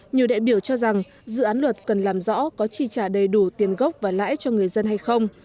nhiều đại biểu cho rằng dự án luật cần làm rõ có chi trả đầy đủ tiền gốc và lãi cho người dân hay không